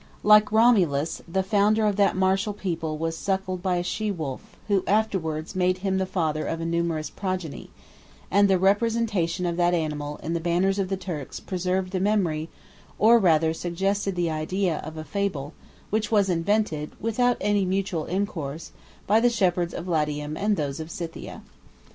2211 Like Romulus, the founder 2212 of that martial people was suckled by a she wolf, who afterwards made him the father of a numerous progeny; and the representation of that animal in the banners of the Turks preserved the memory, or rather suggested the idea, of a fable, which was invented, without any mutual intercourse, by the shepherds of Latium and those of Scythia.